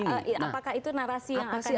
apakah itu narasi yang akan dilakukan